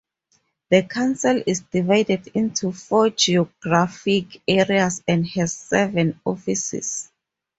The council is divided into four geographic areas and has seven offices.